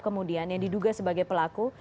kemudian yang diduga sebagai pelaku